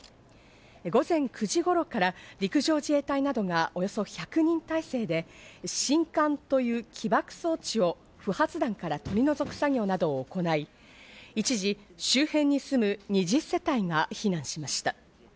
午前９時頃から陸上自衛隊などがおよそ１００人体制で信管という起爆装置を不発弾から取り除く作業などを行い、一時周辺に住む２０世帯が避難しました。